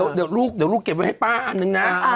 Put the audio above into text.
อันนึงนะพออ้านอันนึงนะ